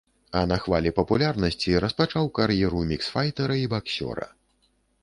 А на хвалі папулярнасці распачаў кар'еру міксфайтэра і баксёра.